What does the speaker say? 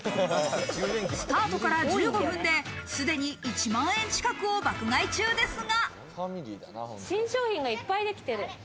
スタートから１５分ですでに１万円近くを爆買い中ですが。